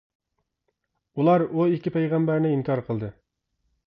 ئۇلار ئۇ ئىككى پەيغەمبەرنى ئىنكار قىلدى.